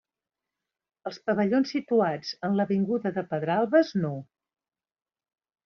Els pavellons situats en l'avinguda de Pedralbes no.